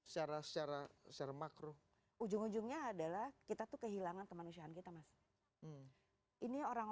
secara secara makro ujung ujungnya adalah kita tuh kehilangan kemanusiaan kita mas ini orang